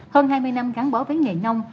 hơn hai mươi năm gắn bó với nghề nông